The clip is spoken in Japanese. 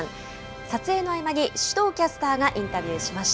撮影の合間に首藤キャスターがインタビューしました。